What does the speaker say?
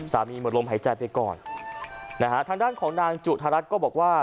หมดลมหายใจไปก่อนนะฮะทางด้านของนางจุธารัฐก็บอกว่า